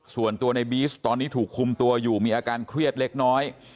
ส่วนตัวในบีซตอนนี้ถูกคุมตัวอยู่มีอาการเครียดเล็กน้อย